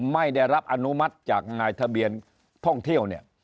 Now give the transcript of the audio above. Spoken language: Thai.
ไม่ได้รับอนุมัติจากนายทะเบียนท่องเที่ยวเนี่ย